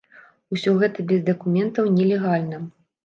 Усё гэта без дакументаў, нелегальна.